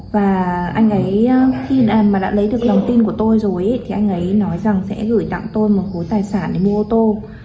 và anh ấy khi mà đã lấy được lòng tin của tôi rồi thì anh ấy nói rằng sẽ gửi tặng tôi một khối tài sản để mua ô tô